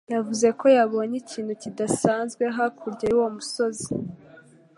yavuze ko yabonye ikintu kidasanzwe hakurya yuwo musozi.